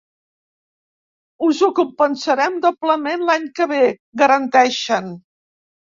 “Us ho compensarem doblement l’any que ve”, garanteixen.